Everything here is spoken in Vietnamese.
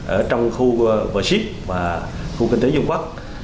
ở trong khu vxip và khu kinh tế dương quốc